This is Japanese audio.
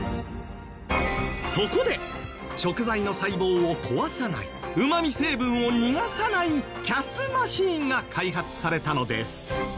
そこで食材の細胞を壊さないうまみ成分を逃がさないＣＡＳマシーンが開発されたのです。